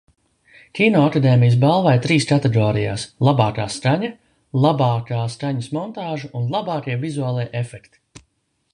"Kinoakadēmijas balvai trīs kategorijās: "Labākā skaņa", "Labākā skaņas montāža" un "Labākie vizuālie efekti"."